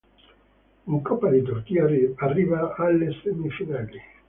In Coppa di Turchia arriva alle semifinali.